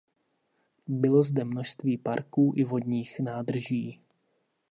Bylo zde množství parků i vodních nádrží.